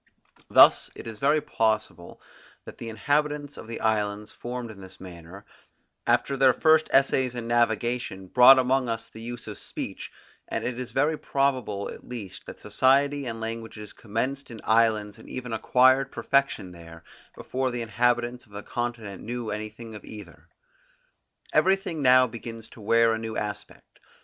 Thus it is very possible that the inhabitants of the islands formed in this manner, after their first essays in navigation, brought among us the use of speech; and it is very probable at least that society and languages commenced in islands and even acquired perfection there, before the inhabitants of the continent knew anything of either. Everything now begins to wear a new aspect.